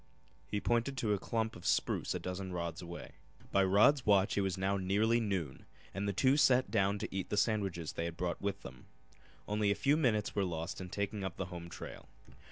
He pointed to a clump of spruce a dozen rods away. By Rod's watch it was now nearly noon and the two sat down to eat the sandwiches they had brought with them. Only a few minutes were lost in taking up the home trail.